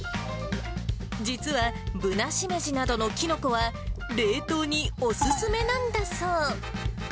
実は、ぶなしめじなどのきのこは、冷凍にお勧めなんだそう。